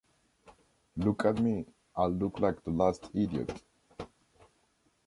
Look at me, I look like the last idiot!